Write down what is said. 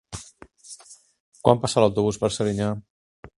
Quan passa l'autobús per Serinyà?